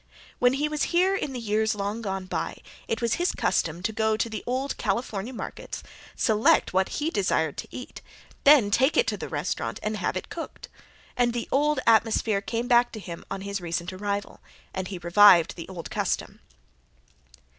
When he was here in the years long gone by it was his custom to go to the old California market, select what he desired to eat, then take it to the restaurant and have it cooked, and the old atmosphere came back to him on his recent arrival and he revived the old custom.